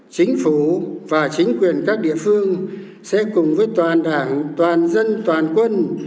chính quyền các địa phương sẽ cùng với toàn đảng toàn dân toàn quân